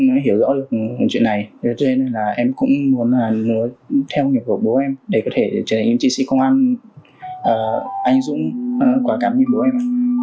cũng hiểu rõ được chuyện này cho nên là em cũng muốn là nối theo nhiệm vụ bố em để có thể trở thành chiến sĩ công an anh dũng quá cảm nhận bố em